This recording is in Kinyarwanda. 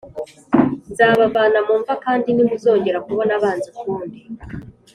Nzabavana mu mva kandi ntimuzogera kubona abanzi ukundi